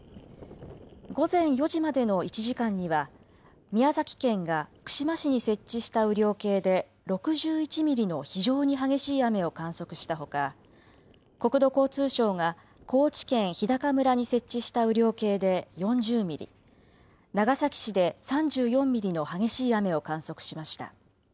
午前４時までの１時間には宮崎県が串間市に設置した雨量計で６１ミリの非常に激しい雨を観測したほか国土交通省が高知県日高村に設置した雨量計で４０ミリ、長崎市で３４ミリの激しい雨を観測しました。